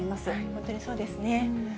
本当にそうですね。